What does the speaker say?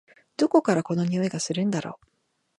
どこからこの匂いがするんだろ？